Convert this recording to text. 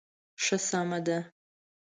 ښه سمه ده.